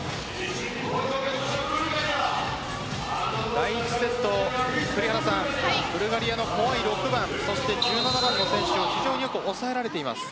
第１セットをブルガリアの怖い６番１７番の選手が、非常によく抑えられています。